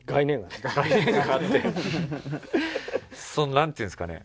なんていうんですかね